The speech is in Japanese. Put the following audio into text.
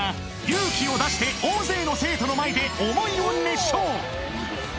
勇気を出して大勢の生徒の前で思いを熱唱